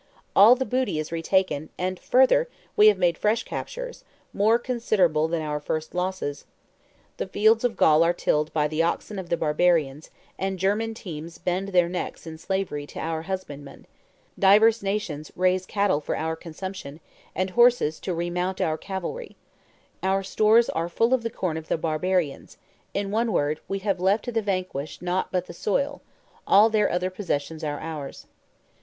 All the booty is re taken, and, further, we have made fresh captures, more considerable than our first losses; the fields of Gaul are tilled by the oxen of the barbarians, and German teams bend their necks in slavery to our husbandmen; divers nations raise cattle for our consumption, and horses to remount our cavalry; our stores are full of the corn of the barbarians in one word, we have left to the vanquished nought but the soil; all their other possessions are ours.